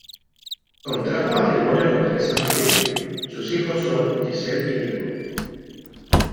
Contrajo matrimonio con Teresa Martínez, sus hijos son Giselle y Diego.